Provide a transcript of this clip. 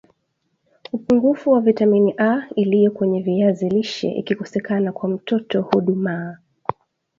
upungufu wa vitamini A iliyo kwenye viazi lishe ikikosekana kwa mtoto hudumaa